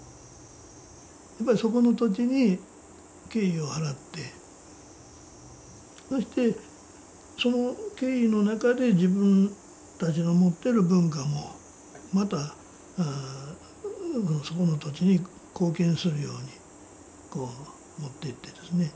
そこの土地に敬意を払ってそしてその敬意の中で自分たちの持ってる文化もまたそこの土地に貢献するようにもってってですね。